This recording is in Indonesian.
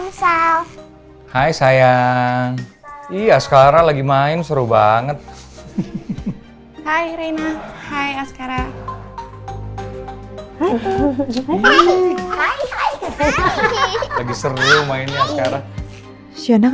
hai hai sayang iya sekarang lagi main seru banget hai reina hai sekarang